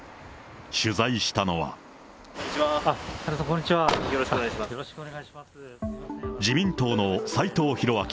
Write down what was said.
取材したのは。